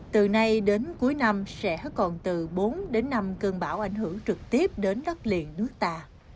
từ nay đến cuối năm sẽ còn từ bốn đến năm cơn bão ảnh hưởng trực tiếp đến đất liền nước ta